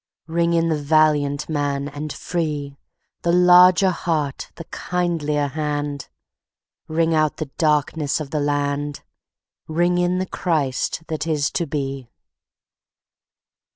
Ring in the valiant man and free, The larger heart, the kindlier hand; Ring out the darkenss of the land, Ring in the Christ that is to be.